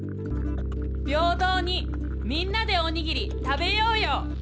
「びょうどうにみんなでおにぎり食べようよ」。